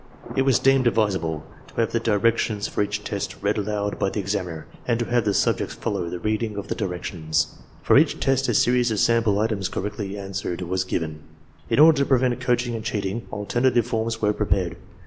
It was deemed 4 ARMY MENTAL TESTS advisable to have the directions for each test read aloud by the examiner and to have the subjects follow the reading of the directions. For each test a series of sample items correctly answered was given. In order to prevent coaching and cheating, alternative forms were prepared.